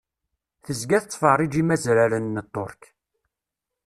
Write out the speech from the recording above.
Tezga tettferrij imazraren n Tterk.